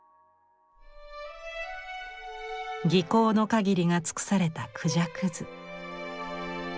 技巧の限りが尽くされた「孔雀図」。